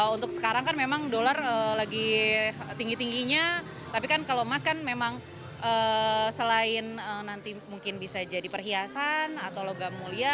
untuk sekarang kan memang dolar lagi tinggi tingginya tapi kan kalau emas kan memang selain nanti mungkin bisa jadi perhiasan atau logam mulia